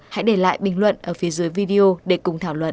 hãy để lại bình luận ở phía dưới video để cùng thảo luận